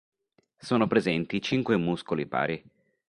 Sono presenti cinque muscoli pari.